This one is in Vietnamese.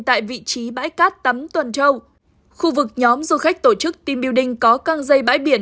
tại vị trí bãi cát tắm tuần châu khu vực nhóm du khách tổ chức team buiding có căng dây bãi biển